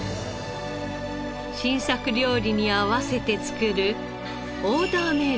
新作料理に合わせて作るオーダーメイドの清水焼とは？